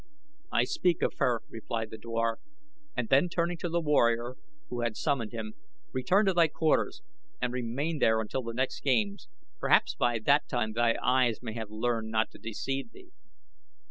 "I speak of her," replied the dwar, and then turning to the warrior who had summoned him: "return to thy quarters and remain there until the next games. Perhaps by that time thy eyes may have learned not to deceive thee."